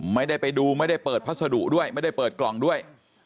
ไม่ได้ไปดูไม่ได้เปิดพัสดุด้วยไม่ได้เปิดกล่องด้วย